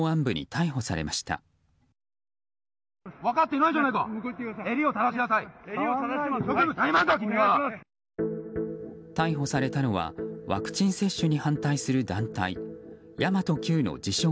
逮捕されたのはワクチン接種に反対する団体神真都Ｑの自称